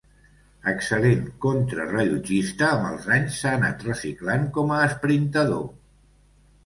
Excel·lent contrarellotgista, amb els anys s'ha anat reciclant com a esprintador.